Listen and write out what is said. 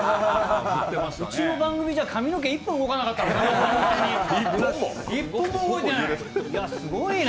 うちの番組じゃあ髪の毛１本動かなかったもんね。